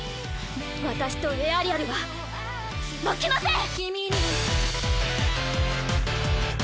私とエアリアルは負けません！